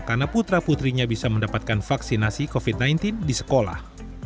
karena putra putrinya bisa mendapatkan vaksinasi covid sembilan belas di sekolah